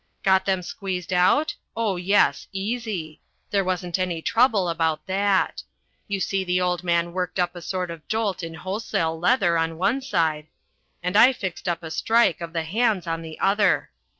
Got them squeezed out? Oh, yes, easy. There wasn't any trouble about that. You see the old man worked up a sort of jolt in wholesale leather on one side, and I fixed up a strike of the hands on the other.